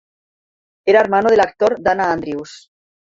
Era hermano del actor Dana Andrews.